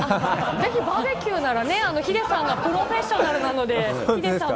ぜひバーベキューならね、ヒデさんがプロフェッショナルなので。